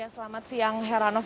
selamat siang heranov